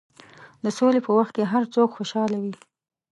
د سولې په وخت کې هر څوک خوشحاله وي.